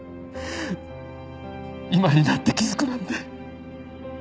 今になって気づくなんて。